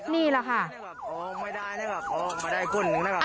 นี่แหละค่ะ